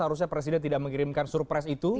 harusnya presiden tidak mengirimkan surprise itu